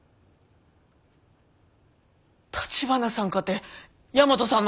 橘さんかて大和さんのこと。